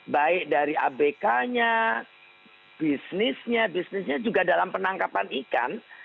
baik dari abk nya bisnisnya bisnisnya juga dalam penangkapan ikan